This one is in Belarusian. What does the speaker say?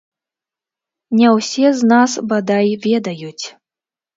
Не ўсе з нас, бадай, ведаюць.